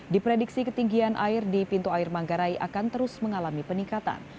diprediksi ketinggian air di pintu air manggarai akan terus mengalami peningkatan